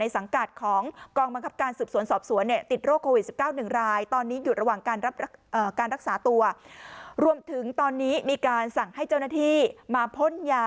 ในสังกัดของกองบังคับการสืบสวนสอบสวนติดโรคโควิด๑๙หนึ่งราย